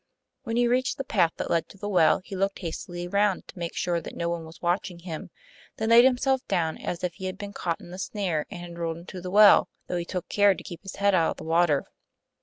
When he reached the path that led to the well he looked hastily round to be sure that no one was watching him, then laid himself down as if he had been caught in the snare and had rolled into the well, though he took care to keep his head out of the water.